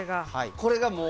これがもう。